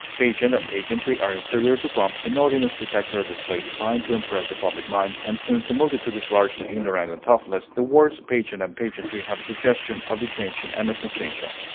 Pageant and pageantry are inferior to pomp, denoting spectacular display designed to impress the public mind, and since the multitude is largely ignorant and thoughtless, the words pageant and pageantry have a suggestion of the transient and unsubstantial.